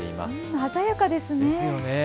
鮮やかですね。